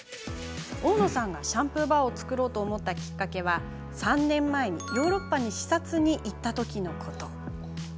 大野さんが、シャンプーバーを作ろうと思ったきっかけは３年前にヨーロッパに視察に行ったときのこと。